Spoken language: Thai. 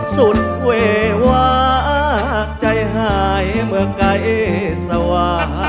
สุดเววาใจหายเมื่อไกลสวา